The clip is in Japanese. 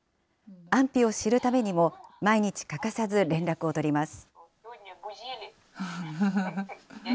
安否を知るためにも、毎日欠かさず連絡を取ります。